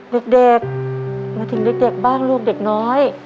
เด็กมาถึงเด็กบ้างลูกเด็กน้อย